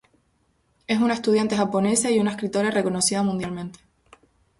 Es una estudiante japonesa y una escritora reconocida mundialmente.